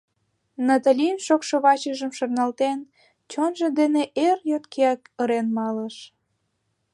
Наталин шокшо вачыжым шарналтен, чонжо дене эр йоткеак ырен малыш.